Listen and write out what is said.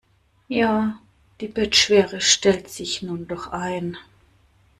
Ja, die Bettschwere stellt sich nun doch ein.